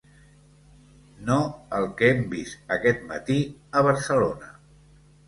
No el que hem vist aquest mati a Barcelona.